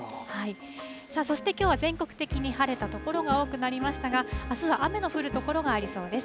そして、きょうは全国的に晴れた所が多くなりましたがあすは雨の降る所がありそうです。